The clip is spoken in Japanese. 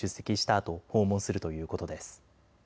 あと訪問するということです。